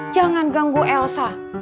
jangan ganggu elsa